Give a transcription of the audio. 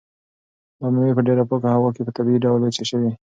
دا مېوې په ډېره پاکه هوا کې په طبیعي ډول وچې شوي.